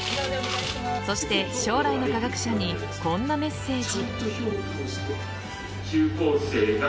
そして、将来の科学者にこんなメッセージ。